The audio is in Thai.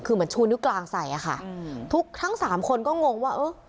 คือเหมือนชูนิ้วกลางใส่อะค่ะอืมทุกทั้งสามคนก็งงว่าเออ